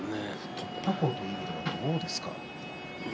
突破口という意味ではどうですか？